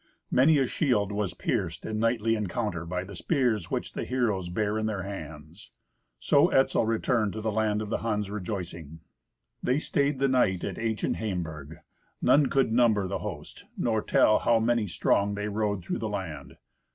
Many a shield was pierced in knightly encounter by the spears which the heroes bare in their hands. So Etzel returned to the land of the Huns rejoicing. They stayed the night at ancient Haimburg. None could number the host, nor tell how many strong they rode through the land.